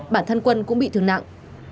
bản thân quân cũng bị thương nặng